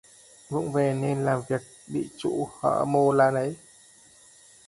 Vụng về nên làm việc bị chủ hở mô la nấy